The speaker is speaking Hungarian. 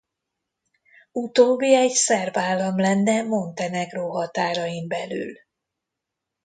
Utóbbi egy szerb állam lenne Montenegró határain belül.